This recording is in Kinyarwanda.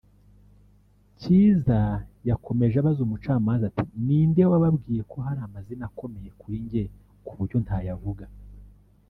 Kizza yakomeje abaza umucamanza ati “Ni nde wababwiye ko hari amazina akomeye kuri njye ku buryo ntayavuga